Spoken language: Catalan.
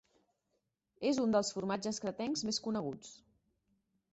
És un dels formatges cretencs més coneguts.